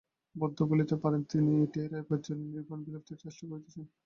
বৌদ্ধ বলিতে পারেন, তিনি এইটি এড়াইবার জন্যই নির্বাণ বা বিলুপ্তির চেষ্টা করিতেছেন।